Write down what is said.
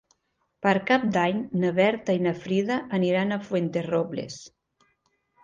Per Cap d'Any na Berta i na Frida aniran a Fuenterrobles.